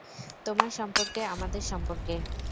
তোমার সম্পর্কে, আমাদের সম্পর্কে!